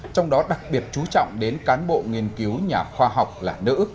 trong đó đặc biệt chú trọng đến cán bộ nghiên cứu nhà khoa học là nữ